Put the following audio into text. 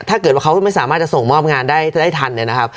ถ้าเกิดว่าเขาไม่สามารถจะส่งมอบงานได้ทันเนี่ยนะครับ